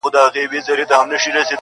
پردى اور تر واورو سوړ دئ.